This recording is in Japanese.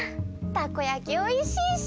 たこやきおいしいし！